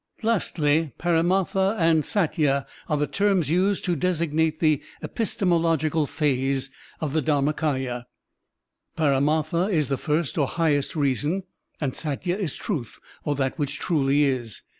Lastly, Paramdrtha and Satya are the terms used to designate the epistemological phase of the DharmaMya. Param5,rtha is the first or highest reason, and Satya is truth or that which truly is.